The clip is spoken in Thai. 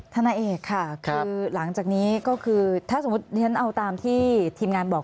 นาเอกค่ะคือหลังจากนี้ก็คือถ้าสมมุติฉันเอาตามที่ทีมงานบอก